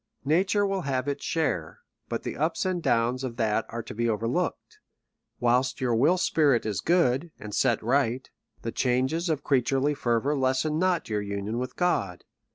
Nature will have its share ; but the ups and downs of that are to be overlooked. — Whilst your will spirit is good, and set right, the changes of creaturely fervour lessen not your union with God.